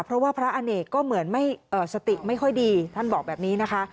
เพราะว่าพระอเนกก็เหมือนไม่สติไม่ค่อยดีท่านบอกแบบนี้นะคะ